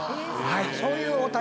はい。